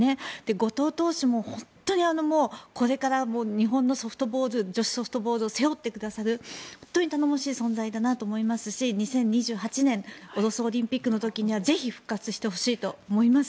後藤投手も本当にこれから、日本の女子ソフトボールを背負ってくださる本当に頼もしい存在だなと思いますし２０２８年ロスオリンピックの時にはぜひ、復活してほしいと思います。